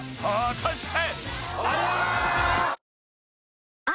［果たして⁉］